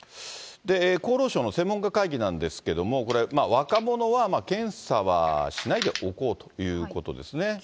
厚労省の専門家会議なんですけれども、これ、若者は検査はしないでおこうということですね。